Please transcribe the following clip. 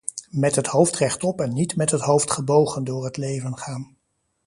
Met het hoofd rechtop en niet met het hoofd gebogen door het leven gaan.